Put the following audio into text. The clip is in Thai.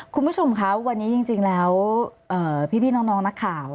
คุณผู้ชมคะวันนี้จริงแล้วพี่น้องนักข่าว